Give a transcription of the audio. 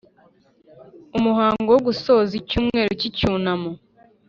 Umuhango wo Gusoza icyumweru cy Icyunamo